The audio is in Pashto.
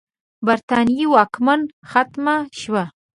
برټانیې واکمني ختمه شي.